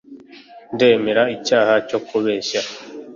Ndemera icyaha cyo kubeshya